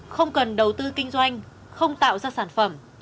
không cần đầu tư kinh doanh không tạo ra sản phẩm